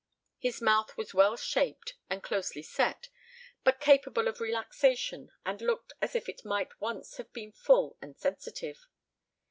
His mouth was well shaped and closely set, but capable of relaxation and looked as if it might once have been full and sensitive.